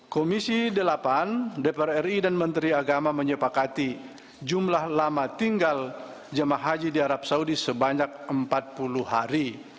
komisi delapan dpr ri dan menteri agama menyepakati jumlah lama tinggal jemaah haji di arab saudi sebanyak empat puluh hari